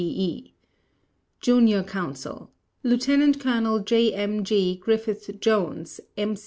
B.E. JUNIOR COUNSEL: Lieutenant Colonel J. M. G. Griffith Jones, M.